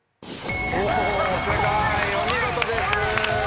お見事です！